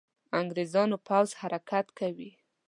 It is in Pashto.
انګرېزانو پوځ حرکت کوي.